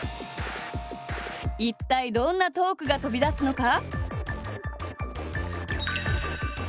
一体どんなトークが飛び出すのか？